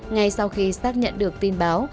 ngay sau khi xác nhận được tin báo